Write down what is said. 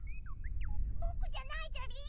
ぼくじゃないじゃりー。